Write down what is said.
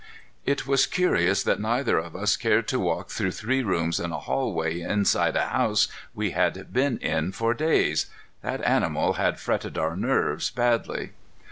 It was curious that neither of us cared to walk through three rooms and a hallway inside a house we had been in for days. That animal had fretted our nerves badly.